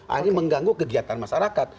akhirnya mengganggu kegiatan masyarakat